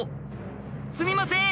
すみません